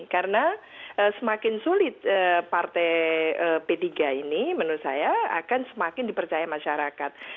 karena semakin sulit partai p tiga ini menurut saya akan semakin dipercaya masyarakat